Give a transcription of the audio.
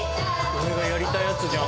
俺がやりたいやつじゃん